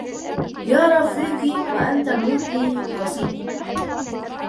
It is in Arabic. يا رفيقي وأنت موحى قصيدي